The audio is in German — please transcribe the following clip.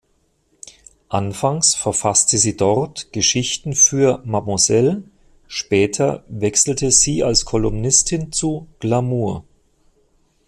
Anfangs verfasste sie dort Geschichten für "Mademoiselle", später wechselte sie als Kolumnistin zu "Glamour".